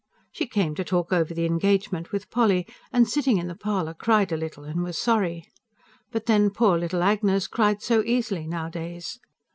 She came to talk over the engagement with Polly, and sitting in the parlour cried a little, and was sorry. But then "poor little Agnes" cried so easily nowadays.